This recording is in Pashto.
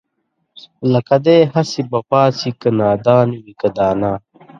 لکه دئ هسې به پاڅي که نادان وي که دانا